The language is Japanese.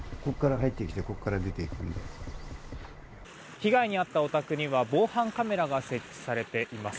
被害に遭ったお宅には防犯カメラが設置されています。